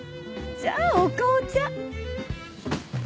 じゃあお紅茶！